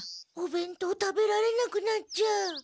おべんとう食べられなくなっちゃう。